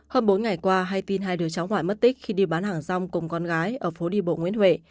hơn bốn ngày qua hay tin hai đứa cháu ngoại mất tích khi đi bán hàng rong cùng con gái ở phố đi bộ nguyễn huệ